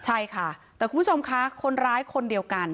ใช่ค่ะแต่คุณผู้ชมคะคนร้ายคนเดียวกัน